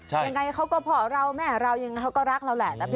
ยังไงเขาก็พ่อเราแม่เรายังไงเขาก็รักเราแหละ